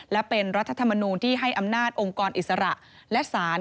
และเป็นรัฐธรรมนูลที่ให้อำนาจองค์กรอิสระและสาร